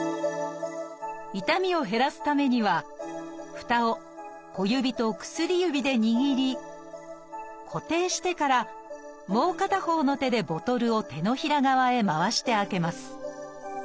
痛みを減らすためにはふたを小指と薬指で握り固定してからもう片方の手でボトルを手のひら側へ回して開けます。